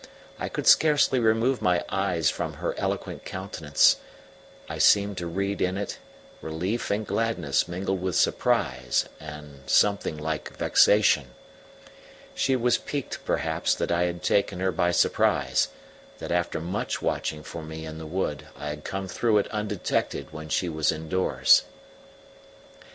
I could scarcely remove my eyes from her eloquent countenance: I seemed to read in it relief and gladness mingled with surprise and something like vexation. She was piqued perhaps that I had taken her by surprise, that after much watching for me in the wood I had come through it undetected when she was indoors.